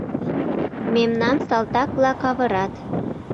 Мемнам салтак-влак авырат!